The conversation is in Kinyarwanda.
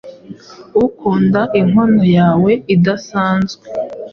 Ukunda inkono yawe idasanzwe?